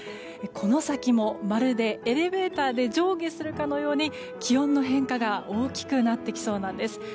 この先も、まるでエレベーターで上下するかのように気温の変化が大きくなってきそうなんです。